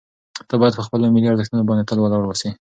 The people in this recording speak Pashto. ته باید په خپلو ملي ارزښتونو باندې تل ولاړ واوسې.